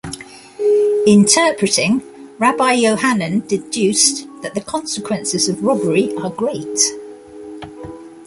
Interpreting Rabbi Johanan deduced that the consequences of robbery are great.